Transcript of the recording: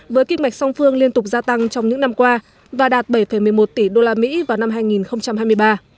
với kinh mạch song phương liên tục gia tăng trong những năm qua và đạt bảy một mươi một tỷ usd vào năm hai nghìn hai mươi ba